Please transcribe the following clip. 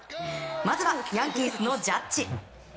まずはヤンキースのジャッジ。